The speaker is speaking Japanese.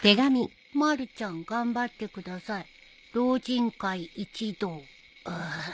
「まるちゃんがんばってください老人会一同」ああ。